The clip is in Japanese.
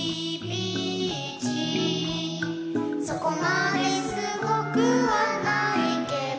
「そこまですごくはないけど」